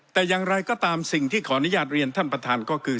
แต่อย่างไรก็ตามสิ่งที่ขออนุญาตเรียนท่านประธานก็คือ